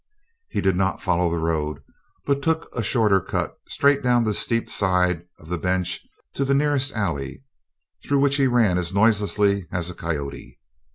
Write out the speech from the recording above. He did not follow the road, but took a shorter cut straight down the steep side of the bench to the nearest alley, through which he ran as noiselessly as a coyote.